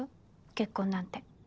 結婚なんて。